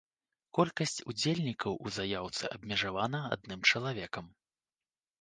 Колькасць удзельнікаў у заяўцы абмежавана адным чалавекам.